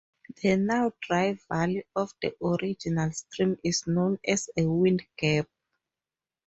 The now-dry valley of the original stream is known as a wind gap.